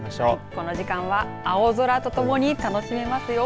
この時間は青空とともに楽しめますよ。